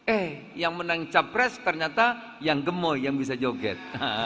eh yang menang capres ternyata yang gemo yang bisa joget